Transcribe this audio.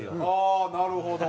ああなるほど。